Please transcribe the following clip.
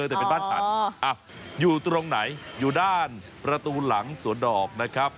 แต่เป็นบ้านฉันอยู่ตรงไหนอยู่ด้านประตูหลังสวนดอกนะครับ